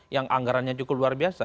yang anggarannya cukup luar biasa